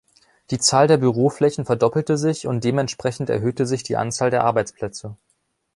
Die Zahl der Büroflächen verdoppelte sich und dementsprechend erhöhte sich die Anzahl der Arbeitsplätze.